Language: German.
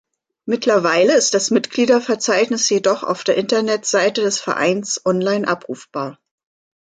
Mittlerweile ist das Mitgliederverzeichnis jedoch auf der Internetseite des Vereins online abrufbar.